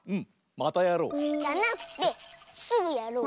またやろう！じゃなくてすぐやろう！